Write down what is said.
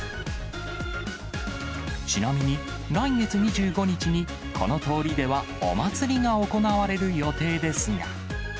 ちなみに、来月２５日に、この通りではお祭りが行われる予定ですが。